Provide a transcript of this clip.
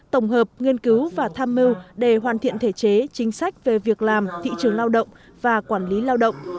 tổng hợp nghiên cứu và tham mưu để hoàn thiện thể chế chính sách về việc làm thị trường lao động và quản lý lao động